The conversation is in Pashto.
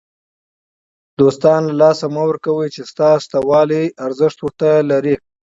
دوستان له لاسه مه ورکوئ! چي ستا سته والى ارزښت ور ته لري.